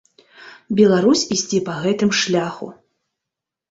Беларусь ісці па гэтым шляху.